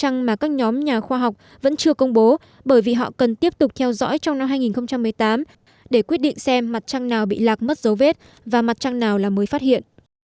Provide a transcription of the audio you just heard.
rằng mà các nhóm nhà khoa học vẫn chưa công bố bởi vì họ cần tiếp tục theo dõi trong năm hai nghìn một mươi tám để quyết định xem mặt trăng nào bị lạc mất dấu vết và mặt trăng nào là mới phát hiện